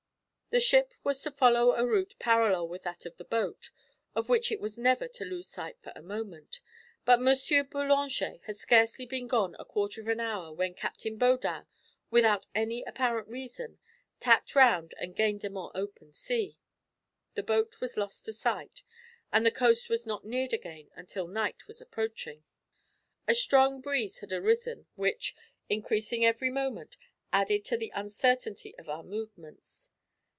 The ship was to follow a route parallel with that of the boat, of which it was never to lose sight for a moment; but M. Boullanger had scarcely been gone a quarter of an hour when Capt. Baudin, without any apparent reason, tacked round and gained the more open sea. The boat was lost to sight, and the coast was not neared again until night was approaching. A strong breeze had arisen, which, increasing every moment, added to the uncertainty of our movements.